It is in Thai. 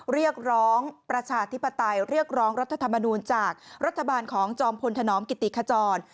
เรียกร้องประชาธิปไตยเรียกร้องรัฐธรรมนูลจากรัฐบาลของจอมพลธนอมกิติขจร